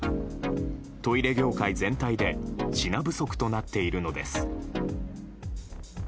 トイレ業界全体で品不足となっているのです。